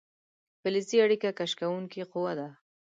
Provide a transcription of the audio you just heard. فلزي اړیکه کش کوونکې قوه ده.